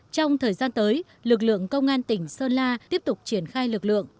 trong thời gian tới lực lượng công an tỉnh sơn la tiếp tục triển khai lực lượng